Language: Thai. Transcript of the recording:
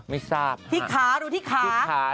ที่อะไรกะ